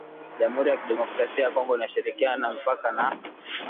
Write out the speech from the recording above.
jamhuri ya Kidemokrasia ya Kongo inashirikiana mipaka na